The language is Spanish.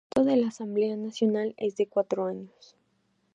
El mandato de la Asamblea Nacional es de cuatro años.